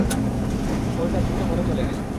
ফরিদা দ্রুত ঘরে চলে গেলেন।